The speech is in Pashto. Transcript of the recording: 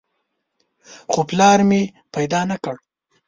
خو پلار مې پیدا نه کړ.